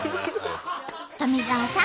富澤さん